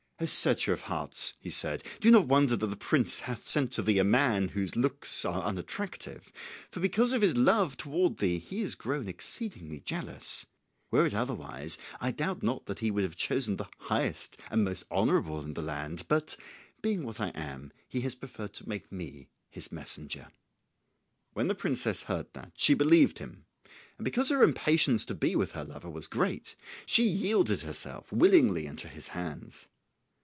"O searcher of hearts," he said, "do not wonder that the prince hath sent to thee a man whose looks are unattractive, for because of his love toward thee he is grown exceeding jealous. Were it otherwise, I doubt not that he would have chosen the highest and most honourable in the land; but, being what I am, he has preferred to make me his messenger." When the princess heard that, she believed him, and because her impatience to be with her lover was great, she yielded herself willingly into his hands.